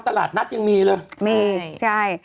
ตลาดนัดยังมีเลยมีใช่